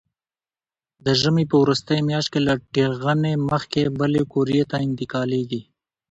د ژمي په وروستۍ میاشت کې له ټېغنې مخکې بلې قوریې ته انتقالېږي.